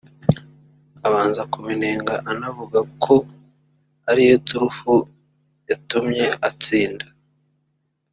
abanza kubinenga anavuga ko ari yo turufu yatumye atsinda